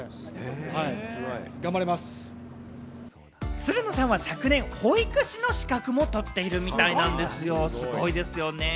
つるのさんは昨年、保育士の資格も取っているみたいなんですよ、すごいですよね。